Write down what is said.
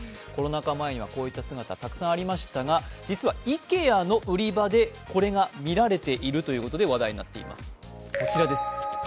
コロナ禍前にはこういった姿、たくさんありましたが、実はＩＫＥＡの売り場でこれが見られているということで話題になっています。